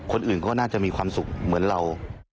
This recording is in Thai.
คนอื่นก็น่าจะมีความสุขเหมือนเรา